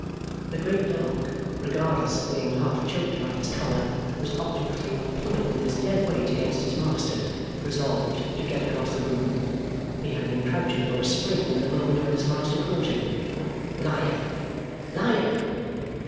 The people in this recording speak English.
The great dog, regardless of being half choked by his collar, was obdurately pulling with his dead weight against his master, resolved to get across the room. He had been crouching for a spring at the moment when his master caught him. 'Lion! Lion!